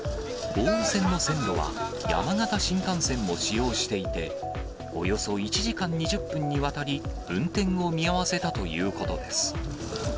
奥羽線の線路は山形新幹線も使用していて、およそ１時間２０分にわたり、運転を見合わせたということです。